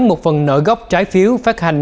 một phần nợ gốc trái phiếu phát hành